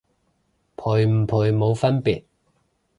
賠唔賠冇分別